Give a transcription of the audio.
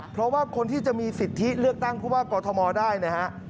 เพราะว่าคนที่จะมีสิทธิเลือกตั้งผู้ว่ากอทมได้นะฮะ